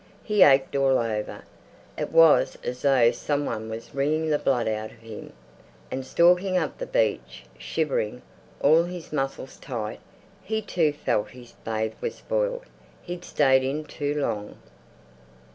He ached all over; it was as though some one was wringing the blood out of him. And stalking up the beach, shivering, all his muscles tight, he too felt his bathe was spoilt. He'd stayed in too long.